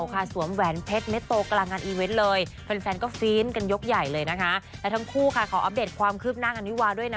ขอออฟเดตความคืบหน้าท่านวิวาด้วยนะ